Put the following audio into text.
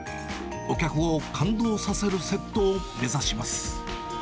お客を感動させるセットを目指します。